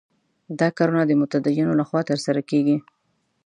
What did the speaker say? دا کارونه د متدینو له خوا ترسره کېږي.